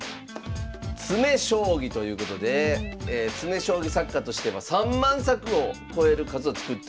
詰将棋ということで詰将棋作家としては３万作を超える数を作っておられる。